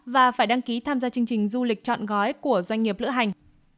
và phải đăng ký tham gia chương trình du lịch chọn gói của doanh nghiệp lữ hành